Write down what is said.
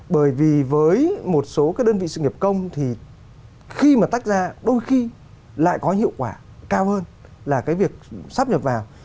bởi vì với một số cái đơn vị sự nghiệp công thì khi mà tách ra đôi khi lại có hiệu quả cao hơn là cái việc sắp nhập vào